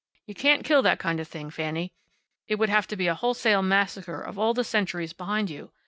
You can't kill that kind of thing, Fanny. It would have to be a wholesale massacre of all the centuries behind you.